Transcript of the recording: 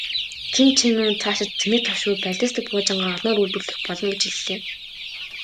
Ким Чен Ун цаашид цэнэгт хошуу, баллистик пуужингаа олноор үйлдвэрлэх болно гэж хэллээ.